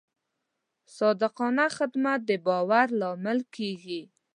صادقانه خدمت د باور لامل کېږي.